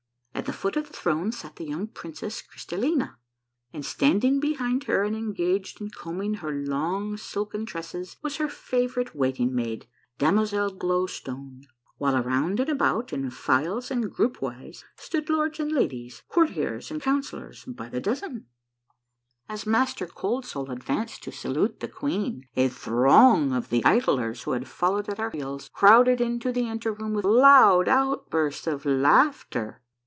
At the foot of the throne sat the young princess Crystallina; and standing behind her, and engaged in combing her long silken tresses, was her favorite waiting maid, Damozel Glow Stone, while around and about, in files and group wise, stood lords and ladies, courtiers and counsellors, by the dozen. As Master Cold Soul advanced to salute the queen, a throng of the idlers who had followed at our heels crowded into the anteroom with loud outbursts of laughter.